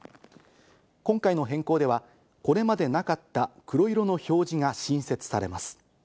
今回の変更ではこれまでなかった黒色の表示が新設されます。